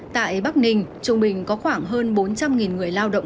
tại bắc ninh trung bình có khoảng hơn bốn trăm linh người lao động